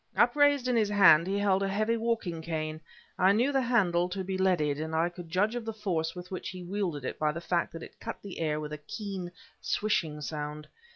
Upraised in his hand he held a heavy walking cane. I knew the handle to be leaded, and I could judge of the force with which he wielded it by the fact that it cut the air with a keen swishing sound.